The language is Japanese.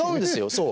そう。